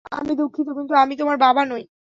আমি দুঃখিত, কিন্তু আমি তোমার বাবা নই।